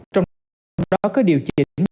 trong đó có điều chỉnh